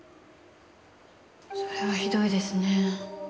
それはひどいですね。